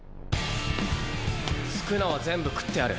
宿儺は全部食ってやる。